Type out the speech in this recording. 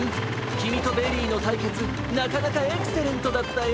きみとベリーのたいけつなかなかエクセレントだったよ！